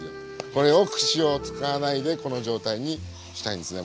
これを串を使わないでこの状態にしたいんですね。